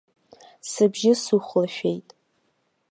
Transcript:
Сыбжьы сыхәлашәеит.